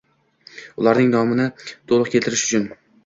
Ularning nomini to‘liq keltirish uchun